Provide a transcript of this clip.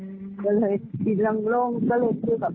อื้อแล้วเลยทีลงโล่ง